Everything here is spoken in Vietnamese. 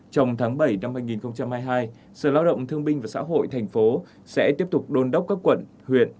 trong tháng bảy năm hai nghìn hai mươi hai sở lao động thương binh và xã hội thành phố sẽ tiếp tục đôn đốc các quận huyện